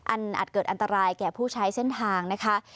อาจเกิดอันตรายแก่ผู้ใช้เส้นทางนะคะ